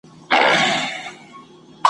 لکه نه وم په محفل کي نه نوبت را رسېدلی ,